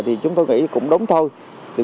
thì chúng tôi nghĩ cũng đúng thôi